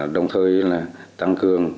đồng thời là tăng cường